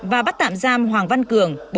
và bắt tạm giam hoàng văn cường